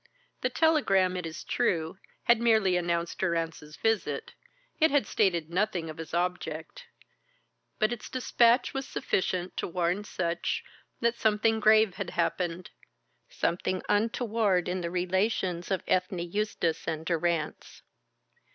The telegram, it is true, had merely announced Durrance's visit, it had stated nothing of his object; but its despatch was sufficient to warn Sutch that something grave had happened, something untoward in the relations of Ethne Eustace and Durrance.